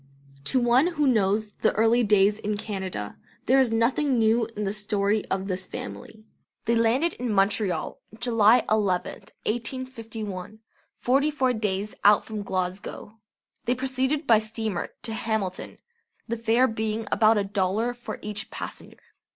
To one who knows the early days in Canada there is nothing new in the story of this family. They landed in Montreal July 11th, 1851, forty four days out from Glasgow. They proceeded by steamer to Hamilton, the fare being about a dollar for each passenger.